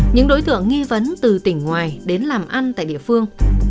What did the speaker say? những đối tượng nghi vấn từ tỉnh ngoài đến làm ăn tại địa phương